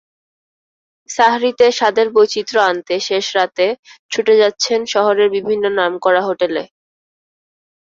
সাহরিতে স্বাদের বৈচিত্র্য আনতে শেষ রাতে ছুটে যাচ্ছেন শহরের বিভিন্ন নামকরা হোটেলে।